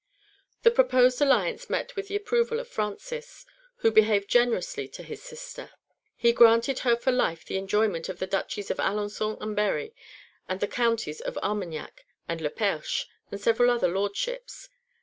The proposed alliance met with the approval of Francis, who behaved generously to his sister. He granted her for life the enjoyment of the duchies of Alençon and Berry, with the counties of Armagnac and Le Perche and several other lordships.